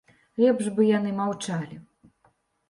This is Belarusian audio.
Лепш бы яны маўчалі.